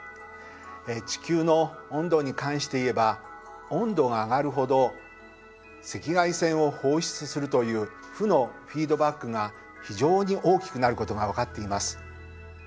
地球の温度に関して言えば温度が上がるほど赤外線を放出するという負のフィードバックが非常に大きくなることが分かっています。